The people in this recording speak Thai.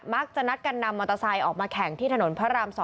มักจะนัดกันนำมอเตอร์ไซค์ออกมาแข่งที่ถนนพระราม๒